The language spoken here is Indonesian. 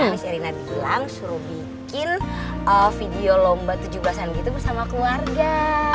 tadi serina bilang suruh bikin video lomba tujuh belas an gitu bersama keluarga